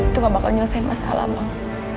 tuh gak bakal nyelesain masalah bang